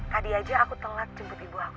tadi aja aku telat jemput ibu aku